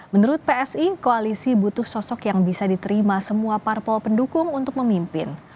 menurut psi koalisi butuh sosok yang bisa diterima semua parpol pendukung untuk memimpin